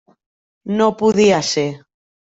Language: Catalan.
No podia ser.